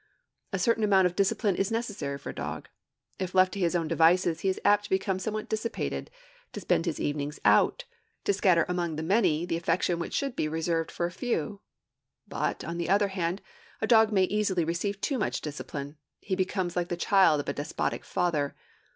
A certain amount of discipline is necessary for a dog. If left to his own devices, he is apt to become somewhat dissipated, to spend his evenings out, to scatter among many the affection which should be reserved for a few. But, on the other hand, a dog may easily receive too much discipline; he becomes like the child of a despotic father.